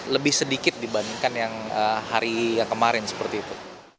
lebih sedikit dibandingkan yang hari yang kemarin seperti itu